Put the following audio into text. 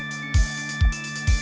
mereka memasak untuk anak anak